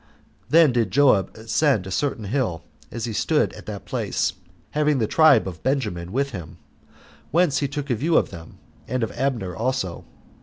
Then did Joab ascend a certain hill, as he stood at that place, having the tribe of Benjamin with him, whence he took a view of them, and of Abner also.